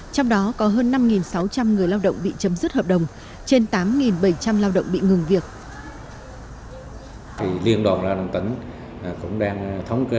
trong đó có hơn năm sáu trăm linh người lao động bị chấm dứt hợp đồng trên tám bảy trăm linh lao động bị ngừng việc